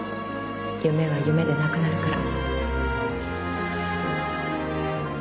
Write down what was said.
夢は夢でなくなるから